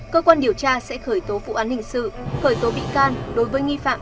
cơ quan điều tra sẽ khởi tố vụ án hình sự khởi tố bị can đối với nghi phạm